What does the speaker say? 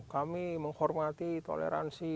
kami menghormati toleransi